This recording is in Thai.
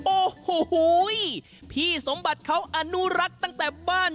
โอ้โหพี่สมบัติเขาอนุรักษ์ตั้งแต่บ้าน